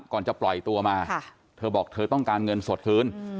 ก่อนจะปล่อยตัวมาเธอบอกเธอต้องการเงินสดคืน